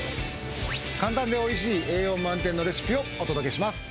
簡単でおいしい栄養満点のレシピをお届けします。